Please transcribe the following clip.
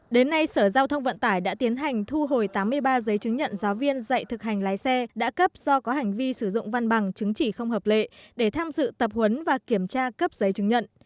đến nay sở giao thông vận tải đã tiến hành thu hồi tám mươi ba giấy chứng nhận giáo viên dạy thực hành lái xe đã cấp do có hành vi sử dụng văn bằng chứng chỉ không hợp lệ để tham dự tập huấn và kiểm tra cấp giấy chứng nhận